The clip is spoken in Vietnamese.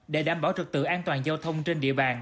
để đảm bảo trực tự an toàn giao thông trên địa bàn